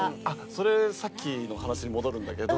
それさっきの話に戻るんだけど。